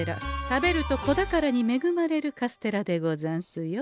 食べると子宝にめぐまれるカステラでござんすよ。